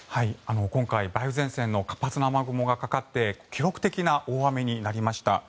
今回、梅雨前線の活発な雨雲がかかって記録的な大雨になりました。